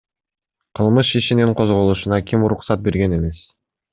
Кылмыш ишинин козголушуна ким уруксат берген эмес?